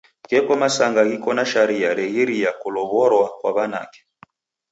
Gheko masanga ghiko na sharia reghiria kulow'orwa kwa w'anake.